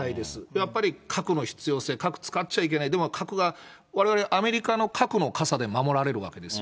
やっぱり核の必要性、核使っちゃいけない、でも核が、われわれはアメリカの核の傘で守られるわけですよ。